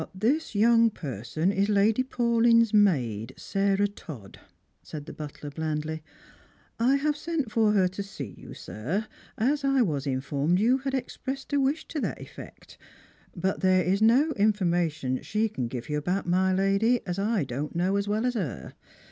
_" This young person is Lady Paulyn's maid, Sarah Todd," said the butler blandly. " I have sent for her to see you, sir, as I was informed you had expressed a wish to that effect. But there is no information she can give you about my lady as I don't know as well as her.